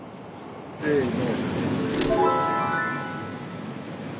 せの。